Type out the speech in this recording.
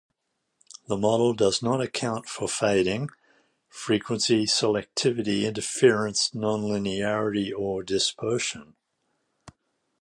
The model does not account for fading, frequency selectivity, interference, nonlinearity or dispersion.